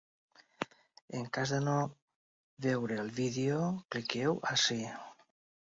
En cas de no veure el vídeo, cliqueu ací.